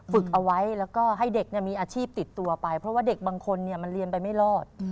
ฝึกเอาไว้แล้วก็ให้เด็กมีอาชีพติดตัวไปเพราะว่าเด็กบางคนมันเรียนไปไม่รอด